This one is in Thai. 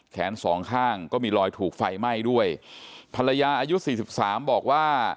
แขนสองข้างก็มีรอยถูกไฟไหม้ด้วยภรรยาอายุสี่สิบสามบอกว่า